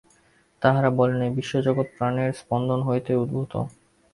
তাঁহারা বলেন, এই বিশ্বজগৎ প্রাণের স্পন্দন হইতেই উদ্ভূত।